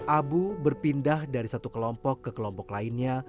abu berpindah dari satu kelompok ke kelompok lainnya